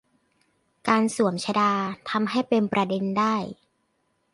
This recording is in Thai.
การสวมชฏา ทำให้เป็นประเด็นได้